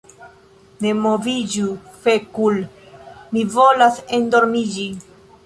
Ne moviĝu fekul' mi volas endormiĝi